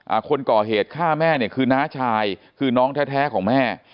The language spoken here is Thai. คนก่อเหตุฆ่าแม่เนี่ยคือน้าชายคือน้องแท้แท้ของแม่